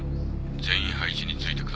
全員配置に就いてください。